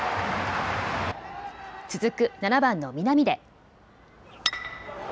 続く７番の南出。